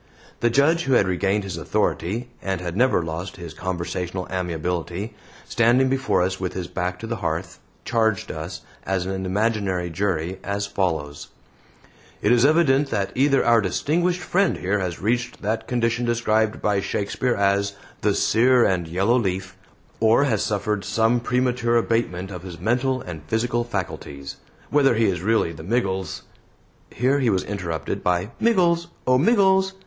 The Judge, who had regained his authority, and had never lost his conversational amiability standing before us with his back to the hearth charged us, as an imaginary jury, as follows: "It is evident that either our distinguished friend here has reached that condition described by Shakespeare as 'the sere and yellow leaf,' or has suffered some premature abatement of his mental and physical faculties. Whether he is really the Miggles " Here he was interrupted by "Miggles! O Miggles!